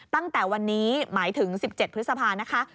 ตั้งแต่วันนี้หมายถึง๑๗พฤษภานะคะ